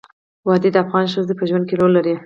وادي د افغان ښځو په ژوند کې رول لري.